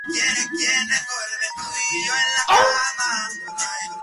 El criollo haitiano "bien conocido" está clasificado como el tercero en "Indigenous Tweets".